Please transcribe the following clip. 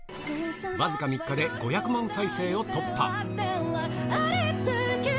僅か３日で５００万再生を突破。